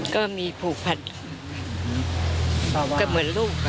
ก็มีผูกพันก็เหมือนลูก